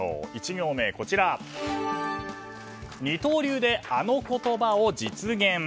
１行目は二刀流であの言葉を実現。